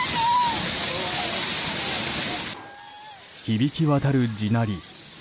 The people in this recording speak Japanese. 響き渡る地鳴り。